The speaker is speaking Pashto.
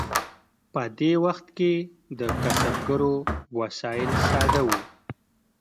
په دې وخت کې د کسبګرو وسایل ساده وو.